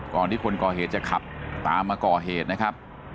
ก่อนที่คนก่อเหตุจะขับตามมาก่อเหตุนะครับ